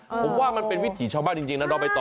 ผมว่ามันเป็นวิถีชาวบ้านจริงนะน้องไปต่อ